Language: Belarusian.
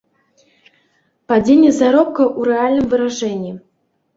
Падзенне заробкаў у рэальным выражэнні.